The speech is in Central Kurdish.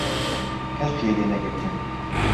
کەس گوێی لێنەگرتم.